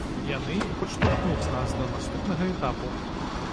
Яны і падштурхнуць нас да наступнага этапу.